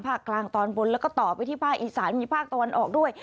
กลางตอนบนแล้วก็ต่อไปที่ภาคอีสานมีภาคตะวันออกด้วย